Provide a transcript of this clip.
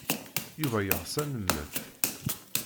Yuba yeɣs ad nemmet.